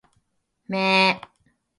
男が一度・・・！！！必ず帰ると言ったのだから！！！